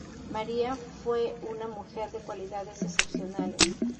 María fue una mujer de cualidades excepcionales.